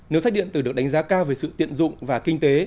nếu sách điện tử được đánh giá cao về sự tiện dụng và kinh tế